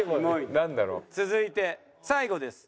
続いて最後です。